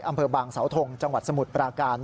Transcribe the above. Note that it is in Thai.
อำเภอบางสาวทงจังหวัดสมุทรปราการ